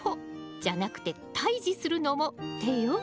じゃなくて退治するのも手よ。